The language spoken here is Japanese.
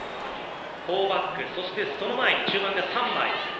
４バックそしてその前に中盤が３枚。